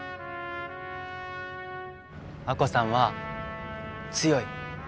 亜子さんは強い。